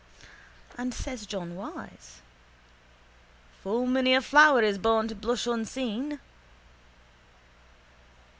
_ And says John Wyse: —Full many a flower is born to blush unseen.